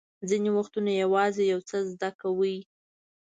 ځینې وختونه یوازې یو څه زده کوئ.